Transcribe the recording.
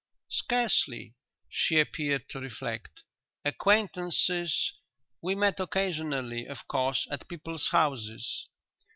"Scarcely." She appeared to reflect. "Acquaintances.... We met occasionally, of course, at people's houses."